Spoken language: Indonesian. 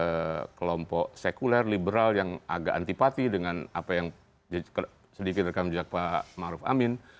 ada kelompok sekuler liberal yang agak antipati dengan apa yang sedikit rekam jejak pak maruf amin